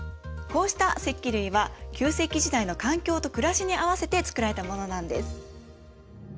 こうした石器類は旧石器時代の環境と暮らしに合わせて作られたものなんです。